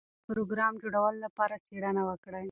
د پروګرام جوړولو لپاره څېړنه وکړئ.